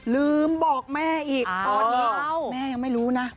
ลืมบอกแม่อีกตอนนี้แม่ยังไม่รู้นะ